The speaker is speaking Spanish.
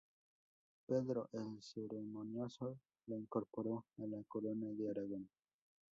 Pedro el Ceremonioso la incorporó a la Corona de Aragón.